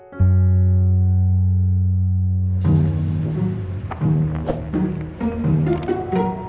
kalian berdua keluar dari sini